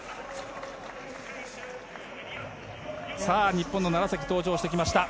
日本の楢崎、登場してきました。